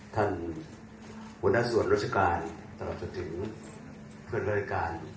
ท่านหัวหน้าส่วนรัฐการณ์ตลอดถึงเพื่อนรายการ